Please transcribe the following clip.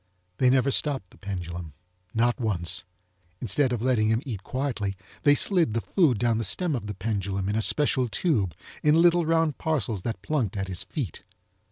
They never stopped the pendulum, not once. Instead of letting him eat quietly, they slid the food down the stem of the pendulum in a special tube, in little round parcels that plunked at his feet.